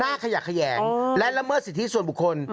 ขยะแขยงและละเมิดสิทธิส่วนบุคคล